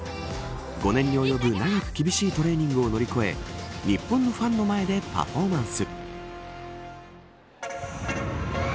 ５年に及ぶ長く厳しいトレーニングを乗り越え日本のファンの前でパフォーマンス。